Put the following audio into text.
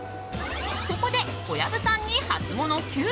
ここで小籔さんにハツモノＱ！